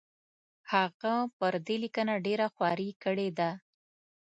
هغه پر دې لیکنه ډېره خواري کړې ده.